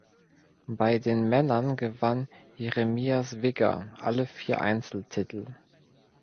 Bei den Männern gewann Jeremias Wigger alle vier Einzeltitel.